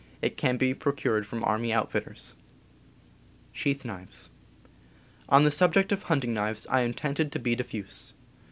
It can be procured from army outfitters. On the subject of hunting knives I am tempted to be diffuse.